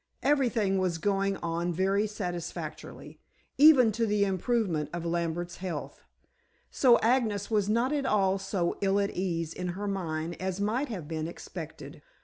Everything was going on very satisfactorily, even to the improvement of Lambert's health, so Agnes was not at all so ill at ease in her mind as might have been expected.